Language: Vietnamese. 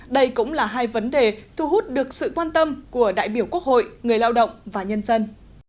đây cũng là hai vấn đề thu hút được sự quan tâm của đại biểu quốc hội người lao động và nhân dân